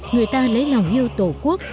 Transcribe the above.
người ta lấy lòng yêu tổ quốc